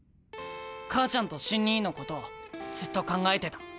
母ちゃんと瞬兄のことをずっと考えてた。